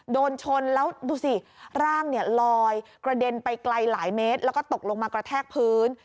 โดนชนแล้วดูสิร่างเนี่ยลอยกระเด็นไปไกลหลายเมตรแล้วก็ตกลงมากระแทกพื้น